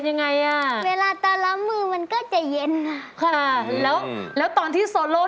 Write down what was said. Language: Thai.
ซึ่งที่มีบางอย่างทำไตป์ที่ทิ้งแข็งเลย